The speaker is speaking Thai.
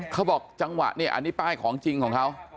เขาบอกจังหวะเนี่ยอันนี้ป้ายของจริงของเขา